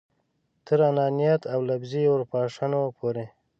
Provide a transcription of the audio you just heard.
تر انانیت او لفظي اورپاشنو پورې.